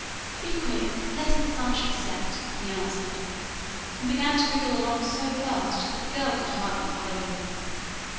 'Be quick, lest the sun should set,' he answered, and began to wriggle along so fast that the girl could hardly follow him.